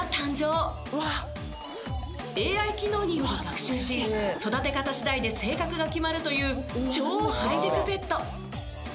ＡＩ機能により学習し育て方次第で性格が決まるという超ハイテクペット。